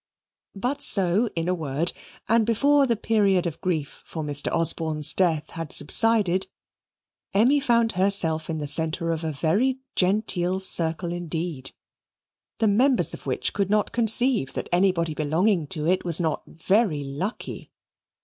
But so, in a word, and before the period of grief for Mr. Osborne's death had subsided, Emmy found herself in the centre of a very genteel circle indeed, the members of which could not conceive that anybody belonging to it was not very lucky.